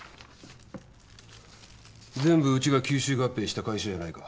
全部うちが吸収合併した会社じゃないか。